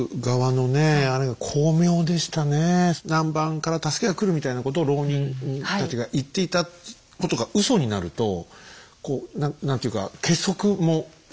南蛮から助けが来るみたいなことを牢人たちが言っていたことがうそになるとこう何ていうか結束も。